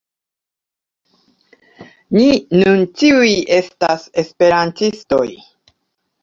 Ni nun ĉiuj estas esperantistoj!